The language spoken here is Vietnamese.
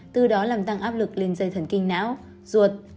từ đó làm tăng áp lực lên dây thần kinh não ruột